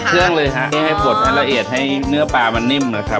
เครื่องเลยฮะนี่ให้บดให้ละเอียดให้เนื้อปลามันนิ่มนะครับ